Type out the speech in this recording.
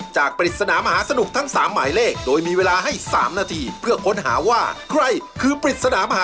เชื่ออาจารย์เหอะเพื่อนลุง